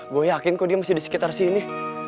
gue yakin kok dia masih di sekitar sini